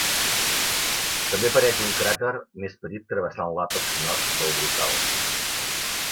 També apareix un cràter més petit travessant l'àpex nord del brocal.